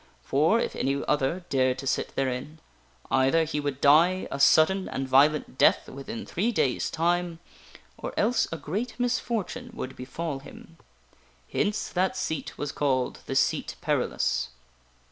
For, if any other dared to sit therein, either he would die a sudden and violent death within three days' time, or else a great mis fortune would befall him. Hence that seat was called the SEAT PERILOUS.